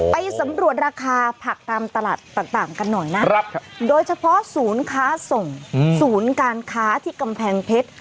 ไปสำรวจราคาผักตามตลาดต่างกันหน่อยนะโดยเฉพาะศูนย์ค้าส่งศูนย์การค้าที่กำแพงเพชร